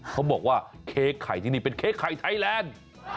เขาบอกว่าเค้กไข่ที่นี่เป็นเค้กไข่ไทยแลนด์